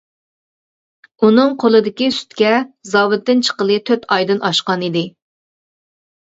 ئۇنىڭ قولىدىكى سۈتكە زاۋۇتتىن چىققىلى تۆت ئايدىن ئاشقان ئىدى.